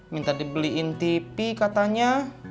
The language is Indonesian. minta dibeliin tipi katanya